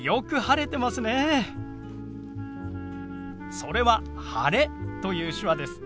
それは「晴れ」という手話です。